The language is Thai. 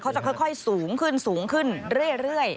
เขาจะค่อยสูงขึ้นเรื่อย